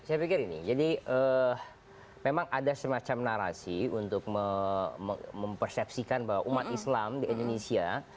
saya pikir ini jadi memang ada semacam narasi untuk mempersepsikan bahwa umat islam di indonesia